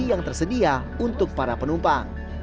yang tersedia untuk para penumpang